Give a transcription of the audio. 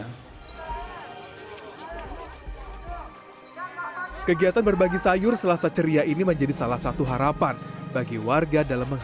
kehidupan di polsek dan berbagi sayur selasa ceria ini menjadi kegiatan yang sangat penting